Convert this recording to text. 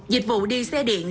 dịch vụ đi xe điện